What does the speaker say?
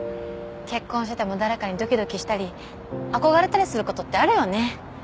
結婚してても誰かにドキドキしたり憧れたりすることってあるよね。